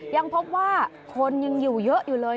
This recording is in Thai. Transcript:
ยังพบว่าคนยังอยู่เยอะอยู่เลย